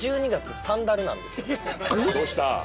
どうした？